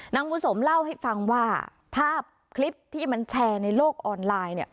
นางบุญสมเล่าให้ฟังว่าภาพคลิปที่มันแชร์ในโลกออนไลน์เนี่ย